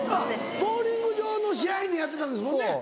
ボウリング場の支配人やってたんですもんね。